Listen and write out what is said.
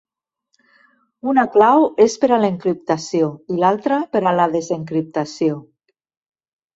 Una clau es per a l'encriptació i l'altra per a la desencriptació.